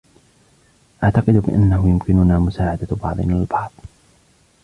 اعتقد بأنه يمكننا مساعدة بعضنا البعض.